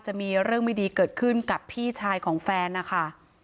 จะมีเรื่องไม่ดีเกิดขึ้นกับพี่ชายของแฟนนะคะ